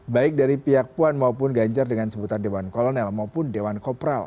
baik dari pihak puan maupun ganjar dengan sebutan dewan kolonel maupun dewan kopral